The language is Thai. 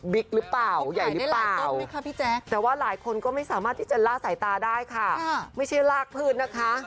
หรือเปล่าต้นไหมคะพี่แจ๊คแต่ว่าหลายคนก็ไม่สามารถที่จะล่าสายตาได้ค่ะไม่ใช่ลากพืชนะคะ